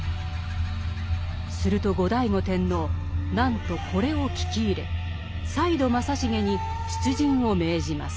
すると後醍醐天皇なんとこれを聞き入れ再度正成に出陣を命じます。